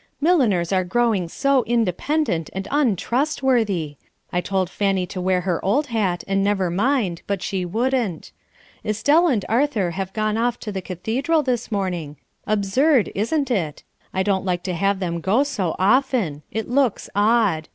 Milliners are growing so independent and untrustworthy! I told Fanny to wear her old hat and never mind, but she wouldn't. Estelle and Arthur have gone off to the Cathedral this morning. Absurd, isn't it? I don't like to have them go so often. It looks odd.